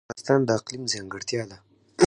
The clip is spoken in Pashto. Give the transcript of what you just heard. مېوې د افغانستان د اقلیم ځانګړتیا ده.